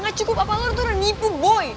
gak cukup apa lo itu udah nipu boy